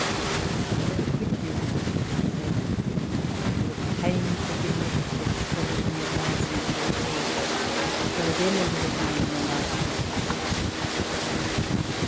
"I will never quit you," it said, "till you obtain forgiveness for the skeleton that lies in the church porch : go again into the charnel, and ask it."